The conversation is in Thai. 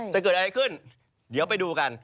จะเกิดอะไรเกิดขึ้นหวังเดียวไปดูกัน